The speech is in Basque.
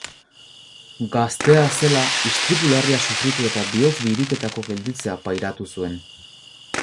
Gaztea zela istripu larria sufritu eta bihotz-biriketako gelditzea pairatu zuen.